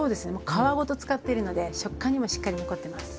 皮ごと使っているので食感にもしっかり残ってます。